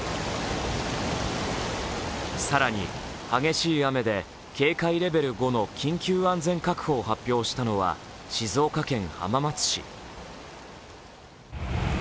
更に激しい雨で警戒レベル５の緊急安全確保を発表したのは静岡県浜松市。